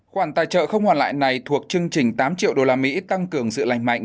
khoản tài trợ không hoàn lại này thuộc chương trình tám triệu usd tăng cường sự lành mạnh